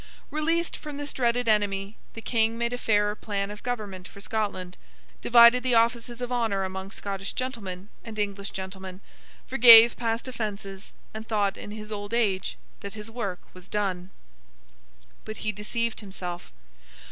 Released from this dreaded enemy, the King made a fairer plan of Government for Scotland, divided the offices of honour among Scottish gentlemen and English gentlemen, forgave past offences, and thought, in his old age, that his work was done. But he deceived himself.